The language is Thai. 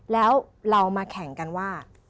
แล้วเรามาแข่งกันว่า